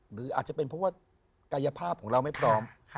หรืออาจจะเป็นเพราะว่ากายภาพของเราไม่พร้อม